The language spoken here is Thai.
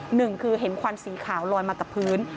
หนึ่งคือเห็นควันสีขาวลอยมากับพื้น